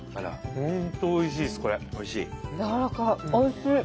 おいしい！